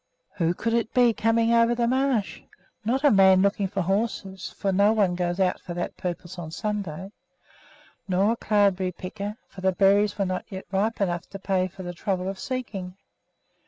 Who could it be coming over the marsh? Not a man looking for horses, for no one goes out for that purpose on Sunday; nor a cloudberry picker, for the berries were not yet ripe enough to pay for the trouble of seeking.